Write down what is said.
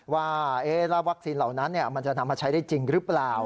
ว่าแล้ววัคซีนเหล่านั้นมันจะนำมาใช้ได้จริงหรือเปล่า